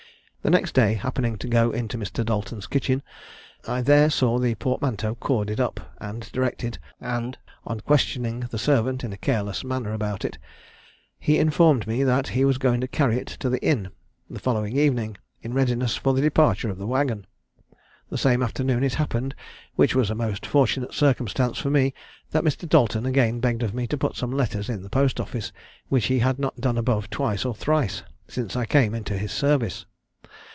The next day, happening to go into Mr. Dalton's kitchen, I there saw the portmanteau corded up, and directed; and, on questioning the servant in a careless manner about it, he informed me that he was going to carry it to the inn, the following evening, in readiness for the departure of the waggon. The same afternoon it happened (which was a most fortunate circumstance for me) that Mr. Dalton again begged of me to put some letters in the post office, which he had not done above twice or thrice since I came into his service.